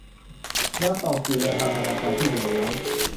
ยังตกอยู่ในพันธนาการที่เหนี่ยวรั้ง